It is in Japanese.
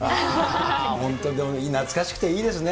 本当にでも、懐かしくていいですね。